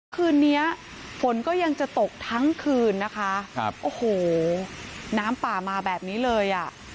คืนเนี้ยฝนก็ยังจะตกทั้งคืนนะคะครับโอ้โหน้ำป่ามาแบบนี้เลยอ่ะ